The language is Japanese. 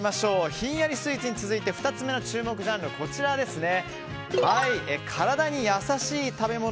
ひんやりスイーツに続いて２つ目の注目ジャンルは体に優しい食べ物